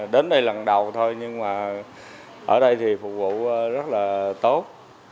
đến đây lần đầu thôi nhưng mà ở đây thì phục vụ rất là tốt